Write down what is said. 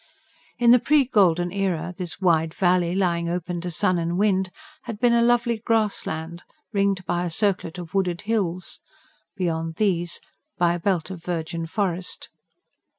In the pre golden era this wide valley, lying open to sun and wind, had been a lovely grassland, ringed by a circlet of wooded hills; beyond these, by a belt of virgin forest.